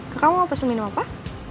kakak mau pesan minum apa